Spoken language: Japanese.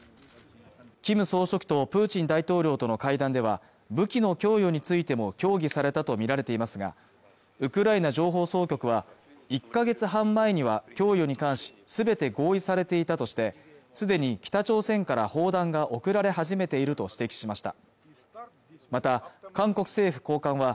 キム総書記とプーチン大統領との会談では武器の供与についても協議されたとみられていますがウクライナ情報総局は１か月半前には供与に関しすべて合意されていたとしてすでに北朝鮮から砲弾が送られ始めていると指摘しました